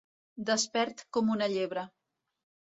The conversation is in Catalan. Despert com una llebre.